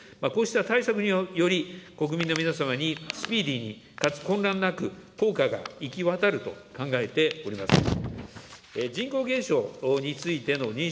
こうした対策により、国民の皆様にスピーディーにかつ混乱なく、効果が行き渡ると考えております。